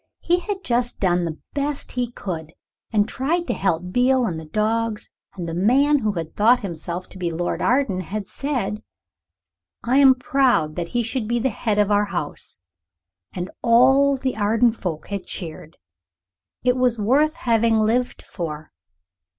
He had just done the best he could, and tried to help Beale and the dogs, and the man who had thought himself to be Lord Arden had said, "I am proud that he should be the head of our house," and all the Arden folk had cheered. It was worth having lived for.